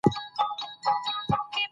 الله ج يو دى شريک نلري